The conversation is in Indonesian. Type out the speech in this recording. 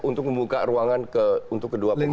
untuk membuka ruangan untuk kedua pemain